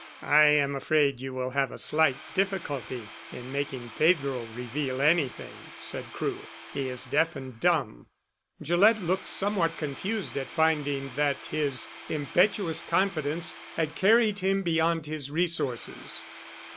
"I am afraid you will have a slight difficulty in making Pedro reveal anything," said Crewe. "He is deaf and dumb." Gillett looked somewhat confused at finding that his impetuous confidence had carried him beyond his resources.